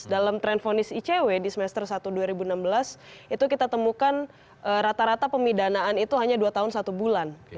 dalam tren fonis icw di semester satu dua ribu enam belas itu kita temukan rata rata pemidanaan itu hanya dua tahun satu bulan